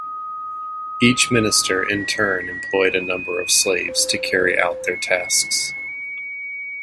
Each minister in turn employed a number of slaves to carry out their tasks.